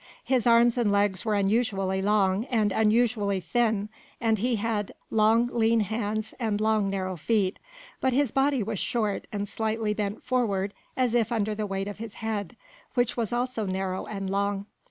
His arms and legs were unusually long and unusually thin, and he had long lean hands and long narrow feet, but his body was short and slightly bent forward as if under the weight of his head, which also was narrow and long.